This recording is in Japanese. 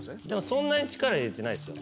そんなに力入れてないっすよ。